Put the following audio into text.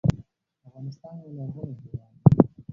افغانستان یو لرغونی هیواد دی